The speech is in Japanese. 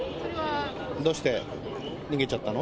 どうして逃げちゃったの？